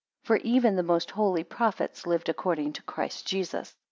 For even the most holy prophets lived according to Christ Jesus.